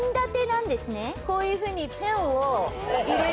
こういうふうにペンを入れることが。